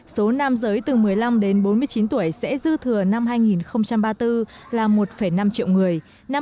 số nam giới từ một mươi năm đến bốn mươi chín tuổi sẽ dư thừa năm hai nghìn ba mươi bốn là một năm triệu người